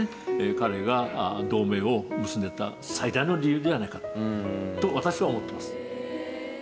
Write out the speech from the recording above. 彼が同盟を結んでいった最大の理由ではないかと私は思っています。